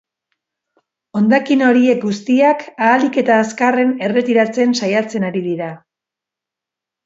Hondakin horiek guztiak ahalik eta azkarren erretiratzen saiatzen ari dira.